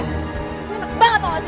gue enak banget tau gak sih